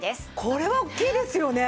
これは大きいですよね！